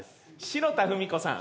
白田文子さん。